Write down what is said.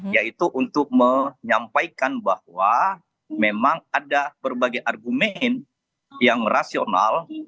yaitu untuk menyampaikan bahwa memang ada berbagai argumen yang rasional